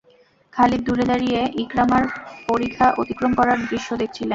খালিদ দূরে দাঁড়িয়ে ইকরামার পরিখা অতিক্রম করার দৃশ্য দেখছিলেন।